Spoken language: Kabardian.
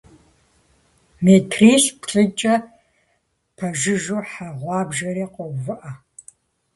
Метрищ-плӀыкӀэ пэжыжьэу хьэ гъуабжэри къоувыӀэ.